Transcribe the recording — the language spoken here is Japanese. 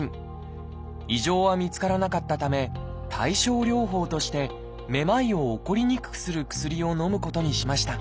異常は見つからなかったため対症療法としてめまいを起こりにくくする薬をのむことにしました。